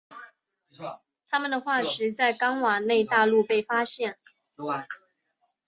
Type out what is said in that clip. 它们的化石在冈瓦纳大陆被发现。